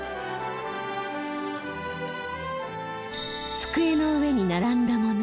机の上に並んだ物。